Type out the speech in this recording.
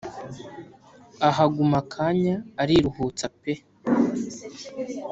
Ahaguma akanya ariruhutsa pe